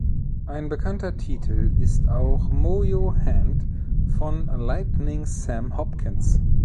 Ein bekannter Titel ist auch 'Mojo hand' von Lightning Sam Hopkins.